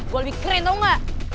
gue lebih keren tau gak